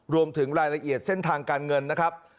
รวมถึงรายละเอียดเส้นทางการเงินนะครับ